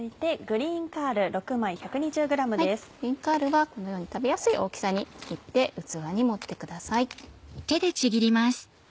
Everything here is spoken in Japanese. グリーンカールはこのように食べやすい大きさに切って器に盛ってください。